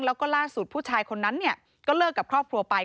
แล้วก็ล่าสุดผู้ชายคนนั้นก็เลิกกับครอบครัวไป